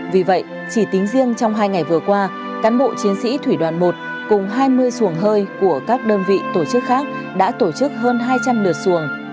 vì vậy chỉ tính riêng trong hai ngày vừa qua cán bộ chiến sĩ thủy đoàn một cùng hai mươi xuồng hơi của các đơn vị tổ chức khác đã tổ chức hơn hai trăm linh lượt xuồng